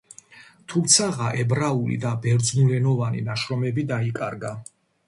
თუმცაღა ებრაული და ბერძნულენოვანი ნაშრომები დაიკარგა.